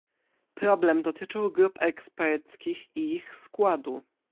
Problem dotyczył grup eksperckich i ich składu